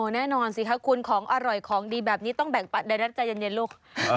แน่นอนสิคะคุณของอร่อยของดีแบบนี้ต้องแบ่งปัดได้รับใจเย็นลูก